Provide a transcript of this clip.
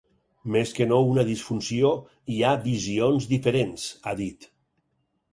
“Més que no una disfunció, hi ha visions diferents”, ha dit.